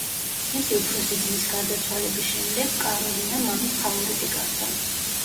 მისი უფროსი ძმის გარდაცვალების შემდეგ, კაროლინა მამის ფავორიტი გახდა.